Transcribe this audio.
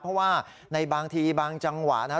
เพราะว่าในบางทีบางจังหวะนะครับ